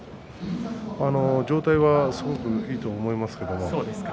状態はすごくいいと思います。